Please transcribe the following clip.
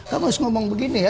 kamu harus ngomong begini ya